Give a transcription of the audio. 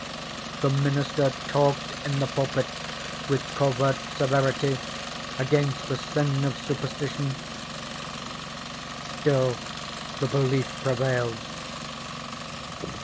The minister talked in the pulpit with covert severity against the sin of superstition; still the belief prevailed.